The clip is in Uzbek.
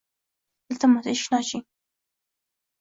Iltimos, eshikni oching